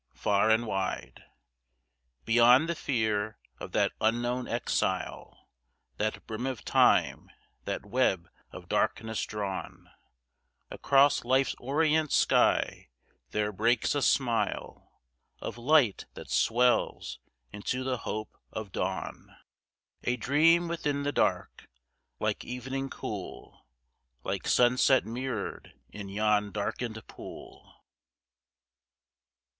Far and wide, Beyond the fear of that unknown exile, That brim of Time, that web of darkness drawn Across Life's orient sky, there breaks a smile Of light that swells into the hope of dawn : A dream within the dark, like evening cool, Like sunset mirror'd in yon darken'd pool.